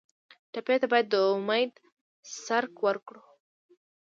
ټپي ته باید د امید څرک ورکړو.